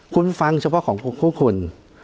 คุณฟังเฉพาะของพวกคุณ